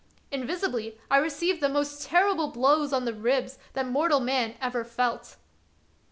Invisibly I re ceived the most terrible blows on the ribs that mortal man ever felt.